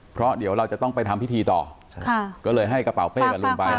เพราะเดี๋ยวเราจะต้องไปทำพิธีต่อก็เลยให้กระเป๋าเป้กับลุงไป